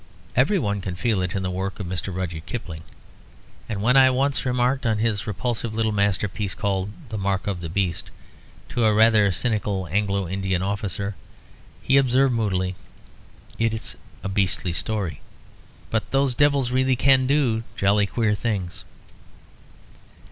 Every one can feel it in the work of Mr. Rudyard Kipling; and when I once remarked on his repulsive little masterpiece called "The Mark of the Beast," to a rather cynical Anglo Indian officer, he observed moodily, "It's a beastly story. But those devils really can do jolly queer things."